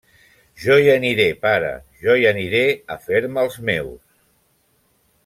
Jo hi aniré, pare, jo hi aniré a fer-me'ls meus.